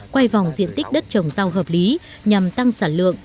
quay vòng diện tích đất trồng rau hợp lý nhằm tăng sản lượng